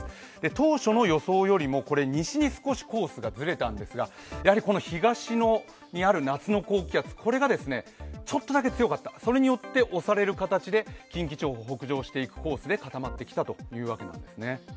当初の予想よりも西に少しコースがずれたんですが、やはり東にある夏の高気圧がちょっとだけ強かった、それによって押される形で近畿地方を北上していくコースで固まってきたというわけなんですね。